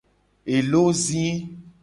Elo zi.